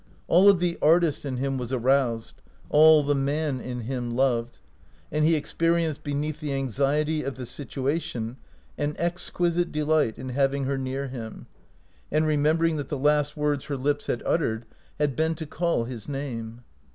All of the artist in him was aroused, all the man in him loved, and he experienced beneath the anxiety of the situ ation an exquisite delight in having her near him, and remembering that the last words 165 OUT OF BOHEMIA her lips had uttered had been to call his name.